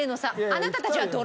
あなたたちは泥。